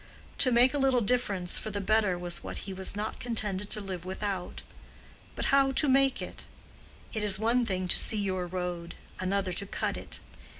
To make a little difference for the better was what he was not contented to live without; but how to make it? It is one thing to see your road, another to cut it.